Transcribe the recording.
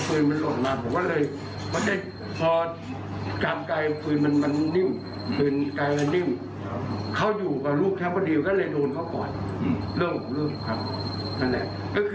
แต่ว่ามันก็ทำเยอะไปยอมรับว่ามันอยู่